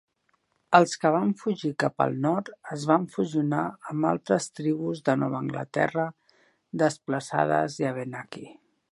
Els que van fugir cap al nord es van fusionar amb altres tribus de Nova Anglaterra desplaçades i Abenaki.